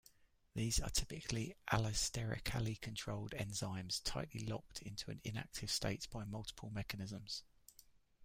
These are typically allosterically-controlled enzymes, tighly locked into an inactive state by multiple mechanisms.